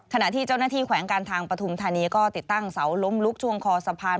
ขณะที่เจ้าหน้าที่แขวงการทางปฐุมธานีก็ติดตั้งเสาล้มลุกช่วงคอสะพาน